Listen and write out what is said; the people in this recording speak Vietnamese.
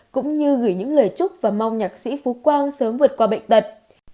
cũng như gửi những lời chúc và mong nhạc sĩ phú quang sớm vượt qua bệnh tật